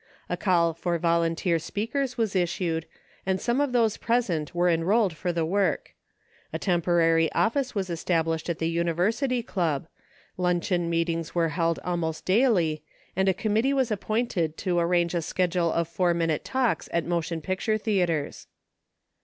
A call for volunteer speakers was issued, and some of those present were enrolled for the work. A temporary office was estab 11 lished at the University Club, luncheon meetings were held almost daily, and a committee was appointed to arrange a schedule of four minute talks at motion pic ture theatres.